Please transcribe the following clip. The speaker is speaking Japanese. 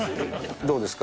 どうですか？